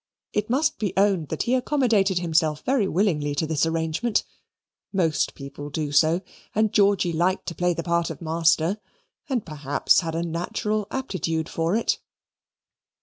It must be owned that he accommodated himself very willingly to this arrangement. Most people do so. And Georgy liked to play the part of master and perhaps had a natural aptitude for it.